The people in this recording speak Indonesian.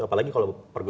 maksaksinya boleh pak